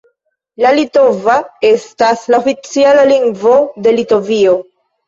La litova estas la oficiala lingvo de Litovio.